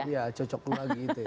iya cocok lagi itu ya